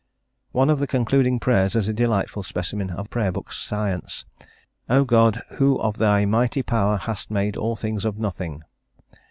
One of the concluding prayers is a delightful specimen of Prayer Book science: "O God, who of thy mighty power hast made all things of nothing."